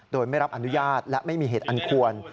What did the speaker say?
โดยไม่รับอนุญาตและไม่มีเหตุอันควร